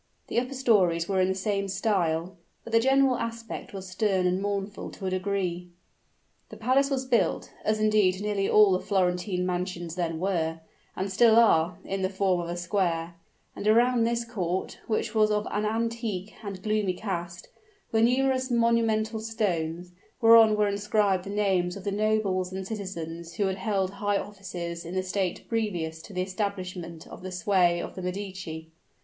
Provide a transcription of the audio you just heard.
The upper stories were in the same style; but the general aspect was stern and mournful to a degree. The palace was built, as indeed nearly all the Florentine mansions then were, and still are, in the form of a square; and around this court, which was of an antique and gloomy cast, were numerous monumental stones, whereon were inscribed the names of the nobles and citizens who had held high offices in the state previous to the establishment of the sway of the Medici.